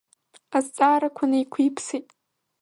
Азҵаарақәа неиқәиԥсеит.